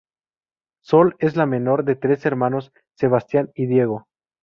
Sol es la menor de tres hermanos, Sebastián y Diego.